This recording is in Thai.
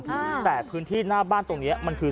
สุดทนแล้วกับเพื่อนบ้านรายนี้ที่อยู่ข้างกัน